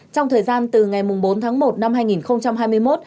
trong thời gian từ ngày bốn tháng một năm hai nghìn hai mươi một